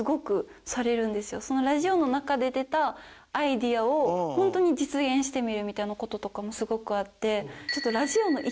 ラジオの中で出たアイデアを本当に実現してみるみたいな事とかもすごくあって。